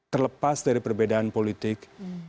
terlepas dari perbedaan politik